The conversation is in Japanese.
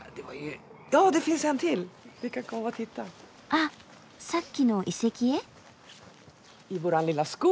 あっさっきの遺跡へ？